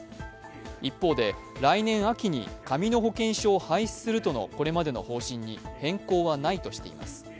一方で来年秋に紙の保険証を廃止するとのこれまでの方針に変更はないとしています。